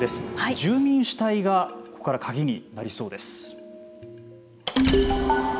住民主体がここから鍵になりそうです。